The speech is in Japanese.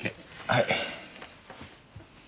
はい。